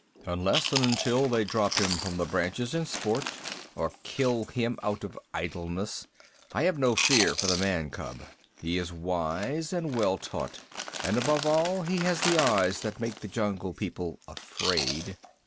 "Unless and until they drop him from the branches in sport, or kill him out of idleness, I have no fear for the man cub. He is wise and well taught, and above all he has the eyes that make the Jungle People afraid.